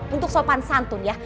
untuk sopan santun ya